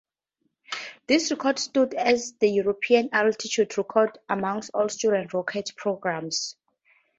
This record stood as the European altitude record among all student rocketry programs.